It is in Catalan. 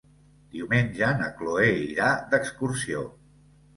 Diumenge na Chloé irà d'excursió.